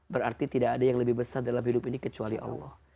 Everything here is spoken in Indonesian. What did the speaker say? berarti tidak ada yang lebih besar dalam hidup ini kecuali allah